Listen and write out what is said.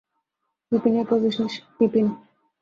বিপিনের প্রবেশ বিপিন।